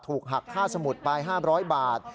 หักค่าสมุดไป๕๐๐บาท